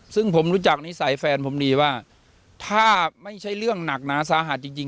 ซึ่งผมรู้จักนิสัยแฟนผมดีว่าถ้าไม่ใช่เรื่องหนักหนาสาหัสจริง